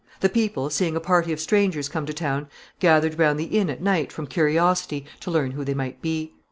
The people, seeing a party of strangers come to town, gathered round the inn at night from curiosity to learn who they might be.